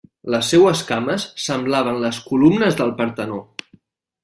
Les seues cames semblaven les columnes del Partenó.